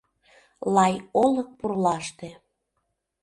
Лай олык пурлаште.